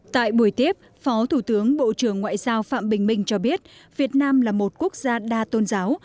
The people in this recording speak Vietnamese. tại buổi tiếp phó thủ tướng bộ trưởng ngoại giao phạm bình minh cho biết việt nam là một quốc gia đa tôn giáo